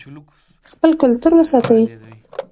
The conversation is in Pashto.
خپل کلتور وساتئ.